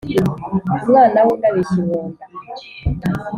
Umwana w’undi abishya inkonda